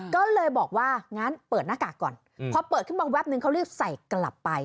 ก็เลยบอกว่างั้นเปิดหน้ากากก่อนพอเปิดขึ้นมาแป๊บนึงเขารีบใส่กลับไป